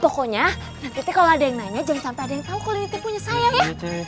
pokoknya nanti kalau ada yang nanya jangan sampai ada yang tau kalau ini tipunya saya ya